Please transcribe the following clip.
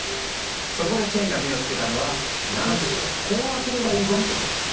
そこでチェンが目を付けたのは卵子を凍らせればいいじゃんってこと。